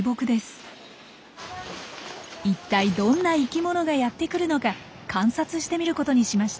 一体どんな生きものがやって来るのか観察してみることにしました。